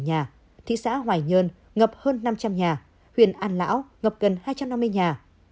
nhà thị xã hoài nhơn ngập hơn năm trăm linh nhà huyện an lão ngập gần hai trăm năm mươi nhà